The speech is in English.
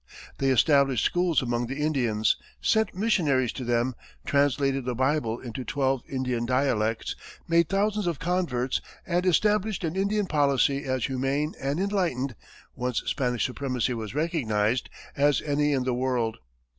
They established schools among the Indians, sent missionaries to them, translated the Bible into twelve Indian dialects, made thousands of converts, and established an Indian policy as humane and enlightened once Spanish supremacy was recognized as any in the world.